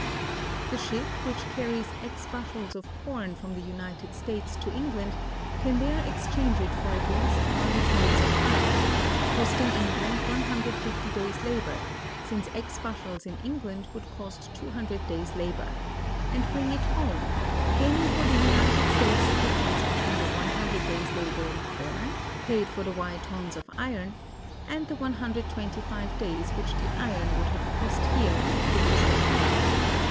The ship which carries x bushels of corn from the United States to England can there exchange it for at least y tons of iron (costing England 150 days' labor, since x bushels in England would cost 200 days' labor), and bring it home, gaining for the United States the difference between the 100 days' labor in corn, paid for the y tons of iron, and the 125 days which the iron would have cost here if produced at home.